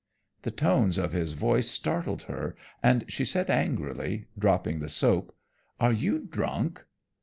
The tones of his voice startled her, and she said angrily, dropping the soap, "Are you drunk?"